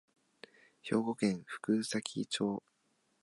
兵庫県福崎町